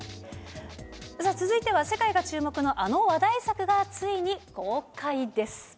続いては世界が注目のあの話題作がついに公開です。